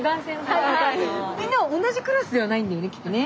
みんなは同じクラスではないんだよねきっとね。